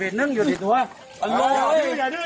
ยิ้มนานมายังไง